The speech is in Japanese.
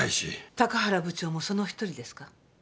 高原部長もその１人ですか？